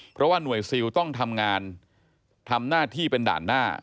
เพราะว่าหน่วยซิลต้องทำงานทำหน้าที่เป็นด่านหน้า